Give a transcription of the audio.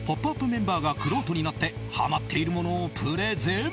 メンバーがくろうとになってハマっているものをプレゼン！